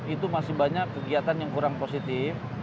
itu masih banyak kegiatan yang kurang positif